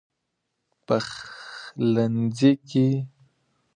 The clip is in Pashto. پخلنځي کې د څمڅۍ ږغ، دیوالونو دی زبیښلي